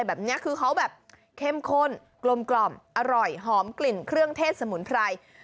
แบบนี้คือเขาแบบเข้มข้นกลมอร่อยหอมกลิ่นเครื่องเทศสมุนไพร